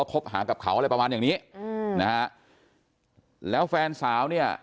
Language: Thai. คบหากับเขาอะไรประมาณอย่างนี้อืมนะฮะแล้วแฟนสาวเนี่ย